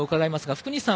福西さん